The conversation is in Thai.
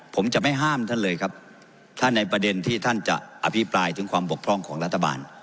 ผมจะไม่ห้ามท่านเลยครับถ้าในประเด็นที่ท่านจะอภิปรายถึงความบกพร่องของรัฐบาล